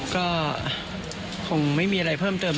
ก็คงไม่มีอะไรเพิ่มเติม